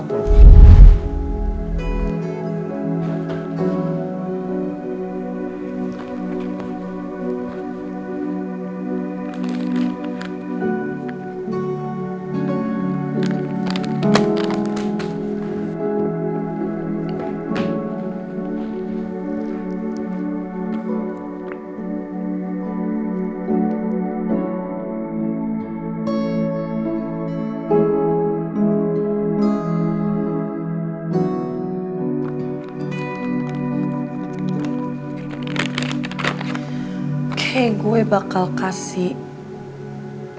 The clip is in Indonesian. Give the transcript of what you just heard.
oke gue bakal kasih